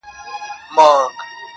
هـغــه اوس سيــمــي د تـــــه ځـــــي